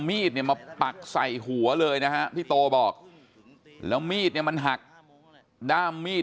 มีดเนี่ยมาปักใส่หัวเลยนะฮะพี่โตบอกแล้วมีดเนี่ยมันหักด้ามมีด